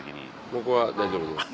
僕は大丈夫です。